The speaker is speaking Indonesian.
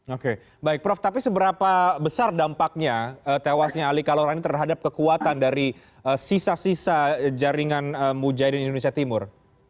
oke baik prof tapi seberapa besar dampaknya tewasnya ali kalora ini terhadap kekuatan dari sisa sisa jaringan mujahidin indonesia timur